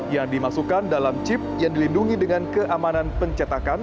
yang dimasukkan dalam chip yang dilindungi dengan keamanan pencetakan